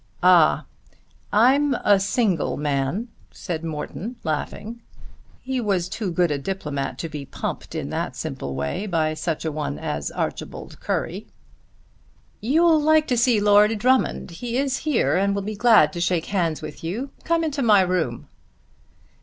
"Ah; I'm a single man," said Morton laughing. He was too good a diplomate to be pumped in that simple way by such a one as Archibald Currie. "You'll like to see Lord Drummond. He is here and will be glad to shake hands with you. Come into my room."